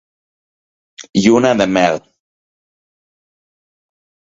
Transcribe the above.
Lluna de mel.